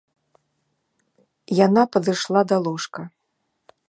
Яна падышла да ложка.